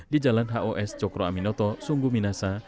di jalan hos cokroaminoto sungguh minasa